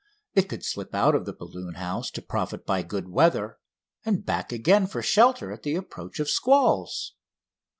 It could slip out of the balloon house to profit by good weather, and back again for shelter at the approach of squalls.